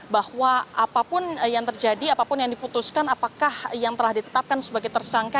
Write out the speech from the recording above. bahwa apapun yang terjadi apapun yang diputuskan apakah yang telah ditetapkan sebagai tersangka